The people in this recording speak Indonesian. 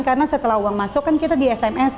karena setelah uang masuk kan kita di sms